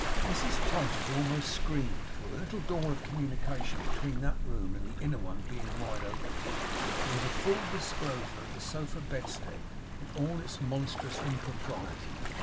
Mrs Todgers almost screamed, for the little door of communication between that room and the inner one being wide open, there was a full disclosure of the sofa bedstead in all its monstrous impropriety.